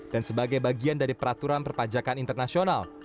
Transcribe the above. dan sebagai bagian dari peraturan perpajakan internasional